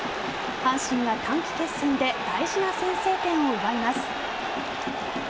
阪神が短期決戦で大事な先制点を奪います。